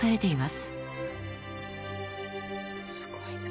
すごいな。